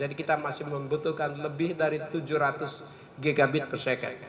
jadi kita masih membutuhkan lebih dari tujuh ratus gigabit per second